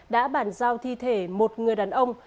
đã bản giao thi thể một người đàn ông